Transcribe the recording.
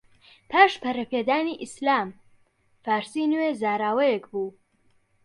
پاش پەرەپێدانی ئیسلام، فارسی نوێ زاراوەیەک بوو